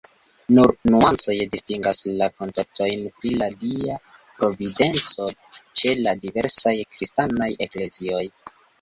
Nur nuancoj distingas la konceptojn pri la Dia Providenco ĉe la diversaj kristanaj eklezioj.